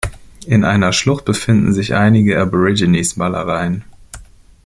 In einer Schlucht befinden sich einige Aborigines-Malereien.